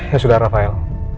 ya sudah rafael